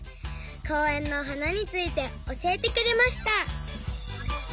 こうえんのはなについておしえてくれました。